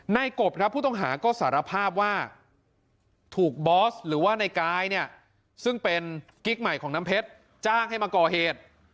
กบครับผู้ต้องหาก็สารภาพว่าถูกบอสหรือว่าในกายเนี่ยซึ่งเป็นกิ๊กใหม่ของน้ำเพชรจ้างให้มาก่อเหตุ